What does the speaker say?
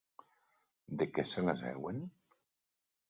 De què se les heuen?